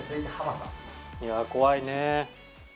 いやあ怖いね。